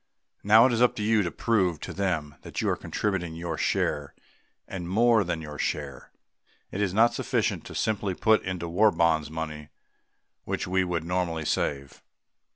Now it is up to you to prove to them that you are contributing your share and more than your share. It is not sufficient to simply to put into War Bonds money which we would normally save.